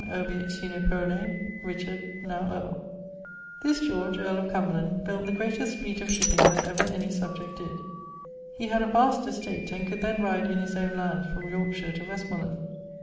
issue. [XLVI.]This George, earl of Cumberland, built the greatest fleet of shipping that ever any subject did. He had a vast estate, and could then ride in his owne lands from Yorkeshire to Westmorland.